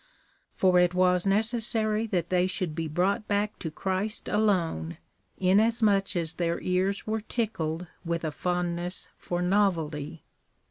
For it was necessary that they should be brought back to Christ alone, inasmuch as their ears were tickled with a fond ness for novelty.